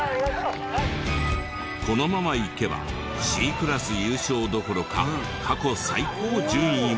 このままいけばＣクラス優勝どころか過去最高順位も。